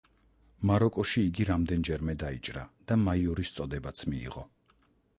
მაროკოში იგი რამდენიმეჯერ დაიჭრა და მაიორის წოდებაც მიიღო.